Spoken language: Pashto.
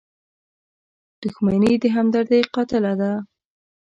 • دښمني د همدردۍ قاتله ده.